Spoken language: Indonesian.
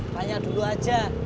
tanya dulu aja